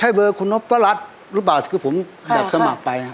ใช่เบอร์คุณพระรัชรู้เปล่าคือผมแบบสมัครไป